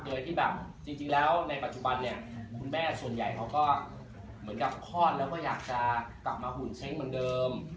โดยที่แบบจริงแล้วในปัจจุบันเนี่ยคุณแม่ส่วนใหญ่เขาก็เหมือนกับคลอดแล้วก็อยากจะกลับมาหุ่นเซ้งเหมือนเดิม